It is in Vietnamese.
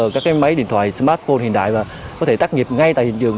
các máy điện thoại smartphone hiện đại và có thể tắt nghiệp ngay tại hiện trường